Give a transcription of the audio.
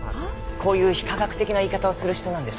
こういう非科学的な言い方をする人なんです。